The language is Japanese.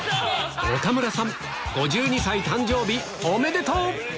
岡村さん５２歳誕生日おめでとう！